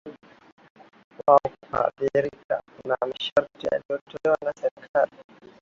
wao hawakuridhika na masharti yaliyotolewa na serikali